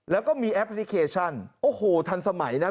แล้วก็มีแอปพลิเคชันโอ้โหทันสมัยนะ